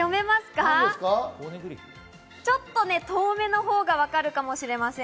ちょっと遠めの方がわかるかもしれません。